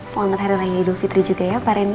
selamat hari raya idul fitri juga ya pak rendy